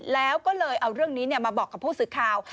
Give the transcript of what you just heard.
แล้วก็เลยเอาเรื่องนี้มาบอกกับผู้สื่อข่าว